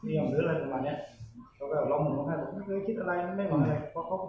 มีคลิปบอกว่าไม่จะแย่งคิดอะไรก็กลับมา